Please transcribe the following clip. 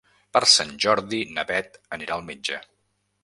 Per Sant Jordi na Bet anirà al metge.